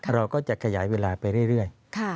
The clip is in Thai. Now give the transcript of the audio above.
เราก็จะขยายเวลาไปเรื่อย